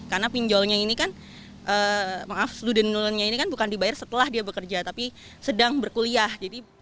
karena pinjolnya ini kan maaf student lunianya ini kan bukan dibayar setelah dia bekerja tapi sedang berkuliah